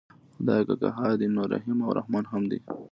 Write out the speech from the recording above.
خدای که قهار دی نو رحیم او رحمن هم دی.